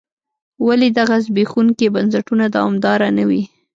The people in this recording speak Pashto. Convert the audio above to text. ولې دغه زبېښونکي بنسټونه دوامداره نه وي.